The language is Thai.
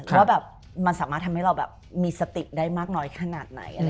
ว่าแบบมันสามารถทำให้เราแบบมีสติได้มากน้อยขนาดไหน